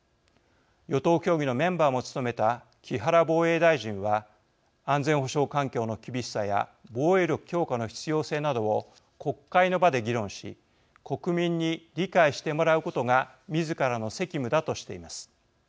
与党協議のメンバーも務めた木原防衛大臣は安全保障環境の厳しさや防衛力強化の必要性などを国会の場で議論し国民に理解してもらうことがみずからの責務だとしています。